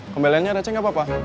komelnya ada cik gak apa apa